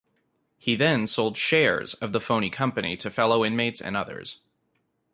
He then sold "shares" of the phony company to fellow inmates and others.